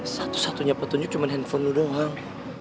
satu satunya petunjuk cuman handphone lo doang